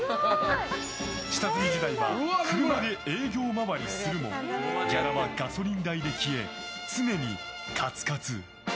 下積み時代は車で営業回りするもギャラはガソリン代で消え常にカツカツ。